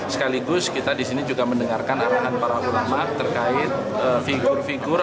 sekaligus kita disini juga mendengarkan arahan para ulama terkait figur figur